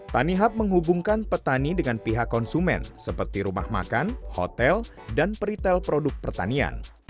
tanihub menghubungkan petani dengan pihak konsumen seperti rumah makan hotel dan peritel produk pertanian